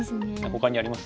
ほかにあります？